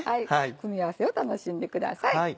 組み合わせを楽しんでください。